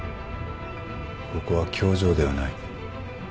ここは教場ではない。